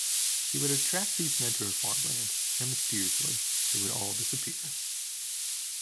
She would attract these men to her farmland, and mysteriously they would all disappear.